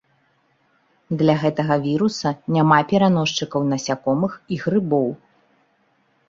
Для гэтага віруса няма пераносчыкаў насякомых і грыбоў.